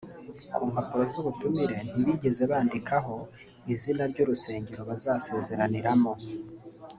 Ku mpapuro z’ubutumire ntibigeze bandikaho izina ry’urusengero bazasezeraniramo